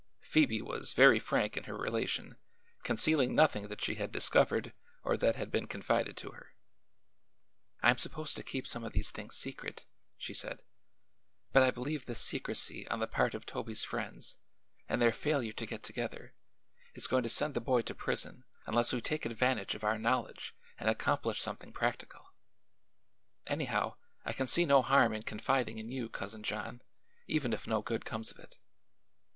Phoebe was very frank in her relation, concealing nothing that she had discovered or that had been confided to her. "I am supposed to keep some of these things secret," she said; "but I believe this secrecy on the part of Toby's friends, and their failure to get together, is going to send the boy to prison unless we take advantage of our knowledge and accomplish something practical. Anyhow, I can see no harm in confiding in you, Cousin John, even if no good comes of it."